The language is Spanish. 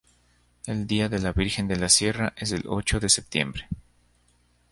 El Día de la Virgen de la Sierra es el ocho de septiembre.